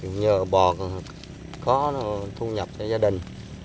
nhờ bò có thu nhập cho gia đình